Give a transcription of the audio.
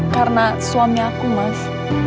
karena suami aku mas